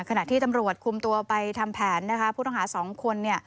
ขณะที่ตำรวจคุมตัวไปทำแผนนะคะผู้ต้องหา๒คน